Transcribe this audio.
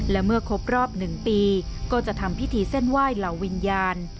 และเมื่อครบรอบ๑ปีก็จะทำพิธีเส้นไหว้เหล่าวิญญาณ